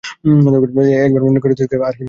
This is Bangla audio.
একবার মনে করিতেছেন, আমি কী ভয়ানক স্বার্থপর।